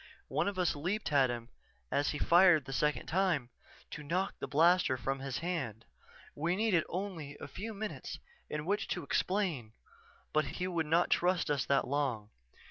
One of us leaped at him as he fired the second time, to knock the blaster from his hand. We needed only a few minutes in which to explain but he would not trust us that long.